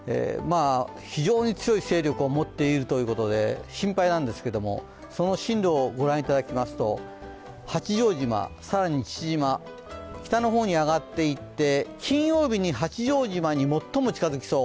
非常に強い勢力を持っているということで心配なんですけどもその進路を御覧いただきますと八丈島、さらに父島、北のほうに上がっていって金曜日に八丈島に最も近づきそう。